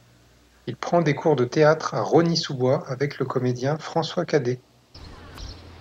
Il prend des cours de théâtre à Rosny-sous-Bois avec le comédien François Cadet.